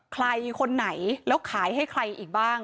ใครคนไหนแล้วขายให้ใครอีกบ้าง